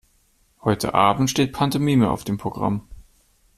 Heute Abend steht Pantomime auf dem Programm.